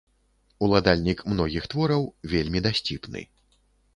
Уладальнік многіх твораў, вельмі дасціпны.